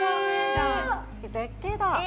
絶景だ